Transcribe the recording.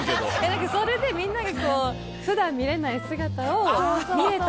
何かそれでみんながこう普段見れない姿を見れたら。